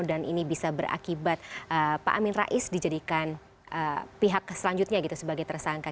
dan ini bisa berakibat pak amin rais dijadikan pihak selanjutnya gitu sebagai tersangka